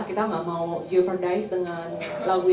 kita tidak mau jeopardize dengan lagu